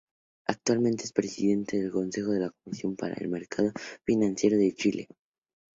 Actualmente es Presidente del Consejo la Comisión para el Mercado Financiero de Chile.